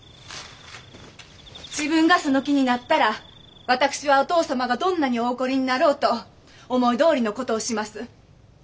自分がその気になったら私はお父様がどんなにお怒りになろうと思いどおりのことをします。